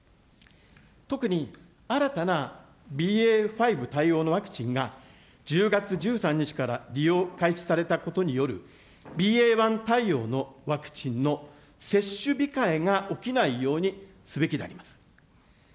特に新たなＢＡ．５対応のワクチンが１０月１３日から利用開始されたことによる、ＢＡ．１対応のワクチンの接種控えが起きないようにすべきであります。